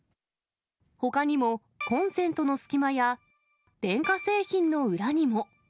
ほかにも、コンセントの隙間や電化製品の裏にも。